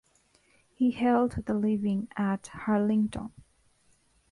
He held the living at Harlington.